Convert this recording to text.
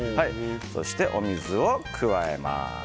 そして、お水を加えます。